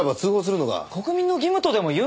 国民の義務とでも言うんですか？